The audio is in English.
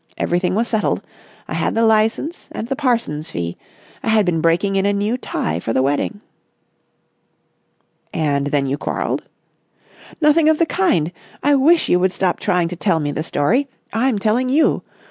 Everything was settled. I had the licence and the parson's fee. I had been breaking in a new tie for the wedding." "And then you quarrelled?" "Nothing of the kind. I wish you would stop trying to tell me the story. I'm telling you.